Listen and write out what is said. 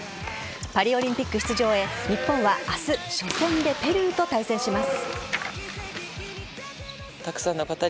パリオリンピック出場へ日本は明日初戦・ペルーと対戦します。